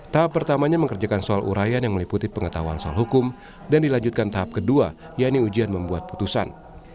tahap pertamanya mengerjakan soal urayan yang meliputi pengetahuan soal hukum dan dilanjutkan tahap kedua yaitu ujian membuat putusan